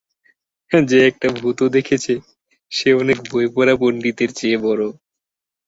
যে একটা ভূতও দেখেছে, সে অনেক বই-পড়া পণ্ডিতের চেয়ে বড়।